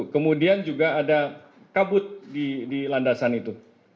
kemudian juga ada kabut di landasan itu